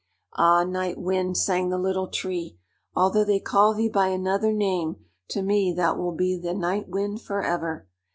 "Ah, Night Wind," sang the Little Tree, "although they call thee by another name, to me thou wilt be the Night Wind forever.